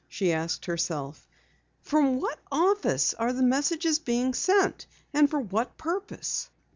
she asked herself. "From what office are the messages being sent and for what purpose?"